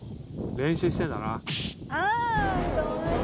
練習してんだな。